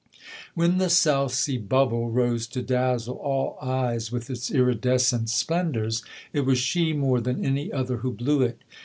When the South Sea Bubble rose to dazzle all eyes with its iridescent splendours, it was she more than any other who blew it.